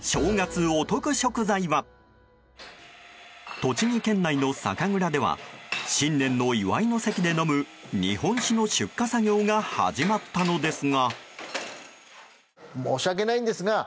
栃木県内の酒蔵では新年の祝いの席で飲む日本酒の出荷作業が始まったのですが。